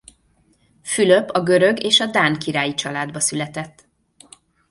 Fülöp a görög és a dán királyi családba született.